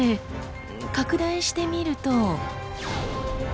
拡大してみると。